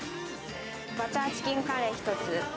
バターチキンカレー１つ。